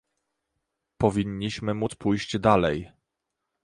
Powinniśmy móc pójść dalej